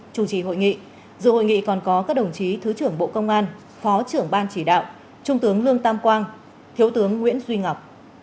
chủ trì hội nghị dự hội nghị còn có các đồng chí thứ trưởng bộ công an phó trưởng ban chỉ đạo trung tướng lương tam quang thiếu tướng nguyễn duy ngọc